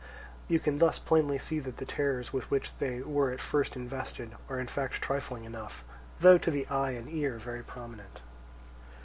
You can thus plainly see that the terrors with which they were at first invested are in fact trifling enough, though to the eye and ear very prominent.